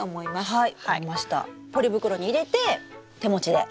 はい。